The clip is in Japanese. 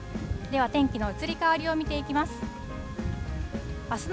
では天気の移り変わりを見ていきます。